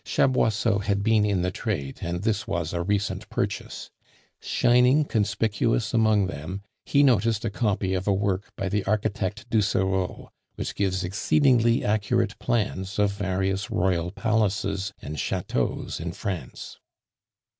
Chaboisseau had been in the trade, and this was a recent purchase. Shining conspicuous among them, he noticed a copy of a work by the architect Ducereau, which gives exceedingly accurate plans of various royal palaces and chateaux in France.